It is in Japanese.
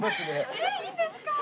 えっいいんですか？